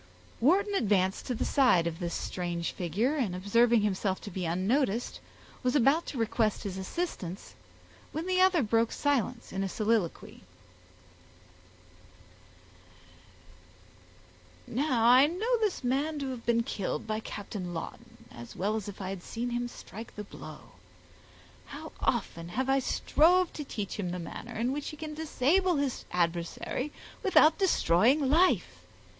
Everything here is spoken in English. Wharton advanced to the side of this strange figure, and observing himself to be unnoticed, was about to request his assistance, when the other broke silence in a soliloquy:— "Now, I know this man to have been killed by Captain Lawton, as well as if I had seen him strike the blow. How often have I strove to teach him the manner in which he can disable his adversary, without destroying life!